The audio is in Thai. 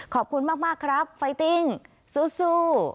ขอบคุณมากครับไฟติ้งสู้